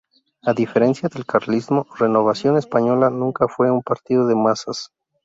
A diferencia del carlismo, Renovación Española nunca fue un partido de masas.